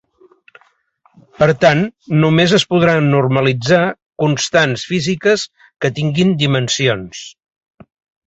Per tant, només es podran normalitzar constants físiques que tinguin dimensions.